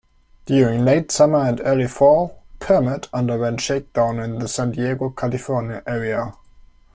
During late-summer and early-fall, "Permit" underwent shakedown in the San Diego, California, area.